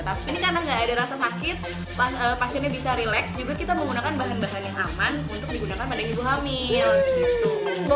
tapi ini karena nggak ada rasa sakit pasiennya bisa relax juga kita menggunakan bahan bahan yang aman untuk digunakan pada ibu hamil gitu